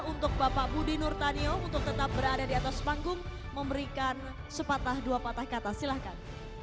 untuk bapak budi nurtanio untuk tetap berada di atas panggung memberikan sepatah dua patah kata silahkan